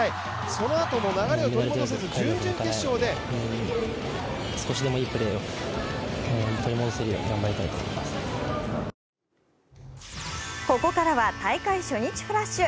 そのあとも流れを取り戻せず、準々決勝でここからは大会初日フラッシュ。